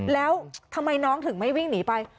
แล้วทำไมน้องถึงไม่วิ่งหนีไป